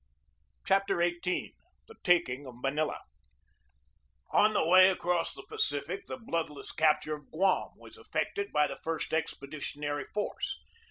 CHAPTER XVIII THE TAKING OF MANILA ON the way across the Pacific the bloodless capt ure of Guam was effected by the first expeditionary force.